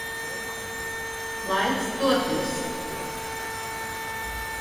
Laiks doties.